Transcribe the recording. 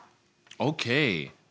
ＯＫ。